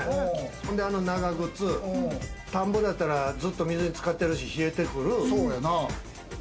ほんであの長靴、田んぼだったら、ずっと水に浸かってるし、冷えてくる。